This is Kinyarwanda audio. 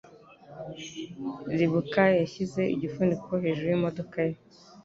Ribuka yashyize igifuniko hejuru yimodoka ye.